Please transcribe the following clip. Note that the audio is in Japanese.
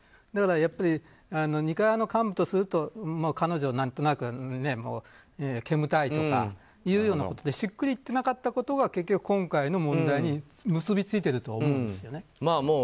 だから、やっぱり二階派の幹部とすると彼女は何となく煙たいとかというようなことでしっくりいっていなかったことが結局、今回の問題に結びついていると思うんですね。